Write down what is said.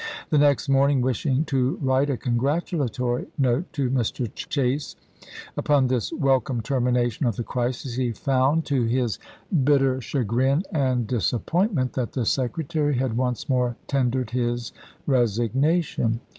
The next morning, wishing to write a congratulatory note to Mr. Chase upon this wel come termination of the crisis, he found, to his bitter THE KESIGNATION OF ME. CHASE 95 chagrin and disappointment, that the Secretary had once more tendered his resignation.